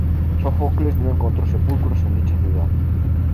Sófocles no encontró sepulcros en dicha ciudad.